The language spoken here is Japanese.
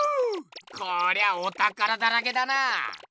こりゃあおたからだらけだな。